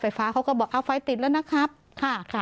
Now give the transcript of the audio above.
ไฟฟ้าเขาก็บอกเอาไฟติดแล้วนะครับค่ะค่ะ